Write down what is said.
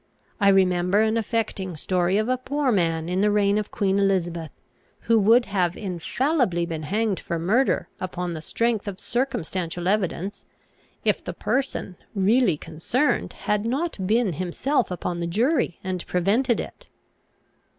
I remember an affecting story of a poor man in the reign of Queen Elizabeth, who would have infallibly been hanged for murder upon the strength of circumstantial evidence, if the person really concerned had not been himself upon the jury and prevented it."